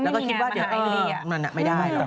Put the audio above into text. ก็ไม่มีงานมาหายเรียก